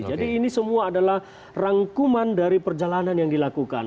jadi ini semua adalah rangkuman dari perjalanan yang dilakukan